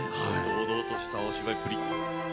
堂々としたお芝居っぷり！